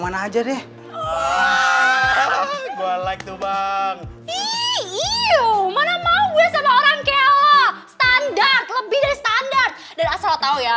aja deh gua like tuh bang iu mana mau sama orang kek standar lebih dari standar dan asal tahu ya